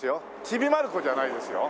ちびまる子じゃないですよ。